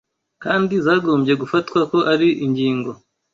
kandi zagombye gufatwa ko ari ingingo